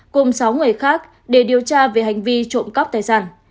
cùng sáu người khác để điều tra về hành vi trộm cắp tài sản